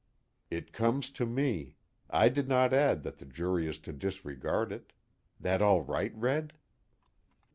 _It comes to me, I did not add that the jury is to disregard it. That all right, Red?